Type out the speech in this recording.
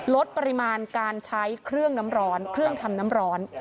ลดปริมาณการใช้เครื่องน้ำร้อนเครื่องทำน้ำร้อน